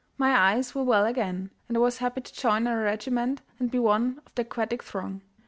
My eyes were well again, and I was happy to join our regiment and be one of the aquatic throng.